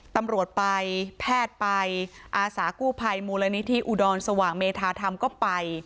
ตำรวจไปแพทย์ไปอาสากู้ภัยมูลนิธิอุดรสว่างเมธาธรรมก็ไป